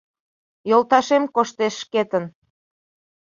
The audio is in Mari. Йолташем коштеш шкетын.